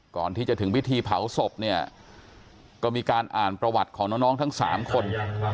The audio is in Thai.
ก่อนที่จะถึงพิธีเผาศพเนี่ยก็มีการอ่านประวัติของน้องทั้ง๓คน